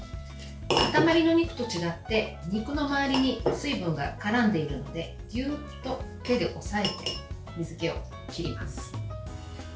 塊の肉と違って肉の代わりに水分がからんでいるのでぎゅっと手で押さえて水けを切ります。